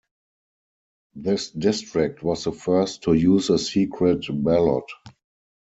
This district was the first to use a secret ballot.